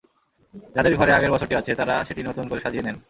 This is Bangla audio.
যাঁদের ঘরে আগের বছরেরটি আছে, তাঁরা সেটি নতুন করে সাজিয়ে নেন।